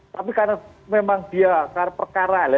tapi karena memang dia perkara ya